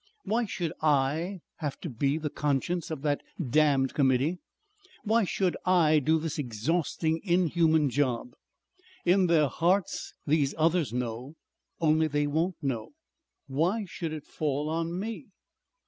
"Why should I have to be the conscience of that damned Committee? Why should I do this exhausting inhuman job?.... In their hearts these others know.... Only they won't know.... Why should it fall on me?"